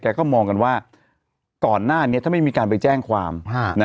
ก็มองกันว่าก่อนหน้านี้ถ้าไม่มีการไปแจ้งความ